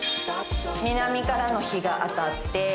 南からの日が当たって